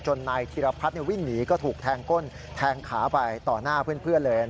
นายธิรพัฒน์วิ่งหนีก็ถูกแทงก้นแทงขาไปต่อหน้าเพื่อนเลย